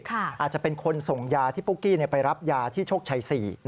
อาจจะเป็นคนส่งยาที่ปุ๊กกี้ไปรับยาที่โชคชัย๔